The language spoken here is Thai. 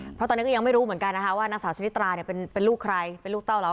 เพราะตอนนี้ก็ยังไม่รู้เหมือนกันนะคะว่านางสาวชนิตราเนี่ยเป็นลูกใครเป็นลูกเต้าเรา